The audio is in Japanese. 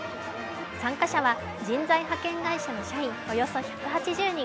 参加者は、人材派遣会社の社員およそ１８０人。